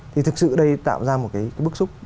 thì thực sự đây tạo ra một cái bức xúc